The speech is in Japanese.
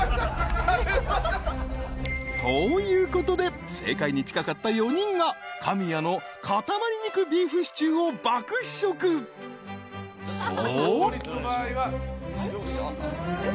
［ということで正解に近かった４人が香味屋の塊肉ビーフシチューを爆試食。と］